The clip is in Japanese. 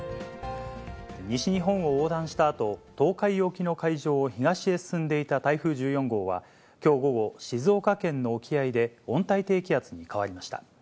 西日本を横断したあと、東海沖の海上を東へ進んでいた台風１４号は、きょう午後、静岡県の沖合で温帯低気圧に変わりました。